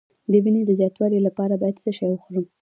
د وینې د زیاتوالي لپاره باید څه شی وخورم؟